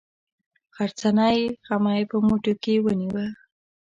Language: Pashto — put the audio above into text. غرڅنۍ غمی په موټي کې ونیوه.